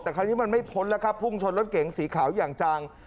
แต่คราวนี้มันไม่พ้นแล้วครับพุ่งชนรถเก๋งสีขาวอย่างจัง